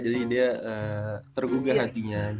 jadi dia tergugah hatinya